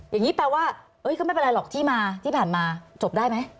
อย่างนี้แปลว่าก็ไม่เป็นไรหรอกที่มาที่ผ่านมาจบได้ไหม